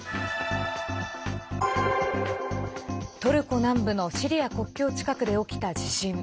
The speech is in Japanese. トルコ南部のシリア国境近くで起きた地震。